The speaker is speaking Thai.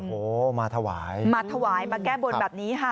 โอ้โหมาถวายมาถวายมาแก้บนแบบนี้ค่ะ